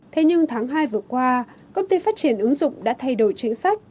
thế nhưng tháng hai vừa qua công ty phát triển ứng dụng đã thay đổi chính sách